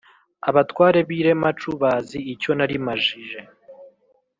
Abatware b'i Reramacu bazi icyo narimajije